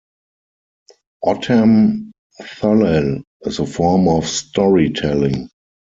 Ottam Thullal is a form of story telling.